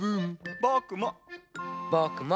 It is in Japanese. ぼくも！